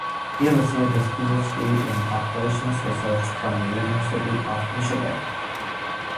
He received his Ph.D. in Operations Research from the University of Michigan.